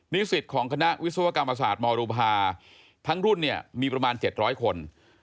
สิทธิ์ของคณะวิศวกรรมศาสตร์มรุภาทั้งรุ่นเนี่ยมีประมาณ๗๐๐คน